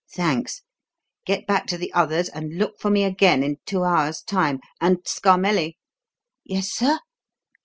Thanks! Get back to the others, and look for me again in two hours' time; and Scarmelli!" "Yes, sir?"